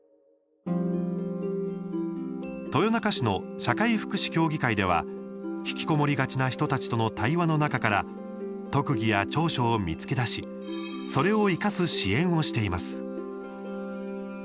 豊中市の社会福祉協議会ではひきこもりがちな人たちとの対話の中から特技や長所を見つけ出しそれを生かす支援をしています。